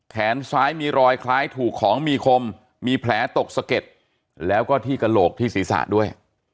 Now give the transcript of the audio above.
แขนซ้ายมีรอยคล้ายถูกของมีคมมีแผลตกสะเก็ดแล้วก็ที่กระโหลกที่ศีรษะด้วย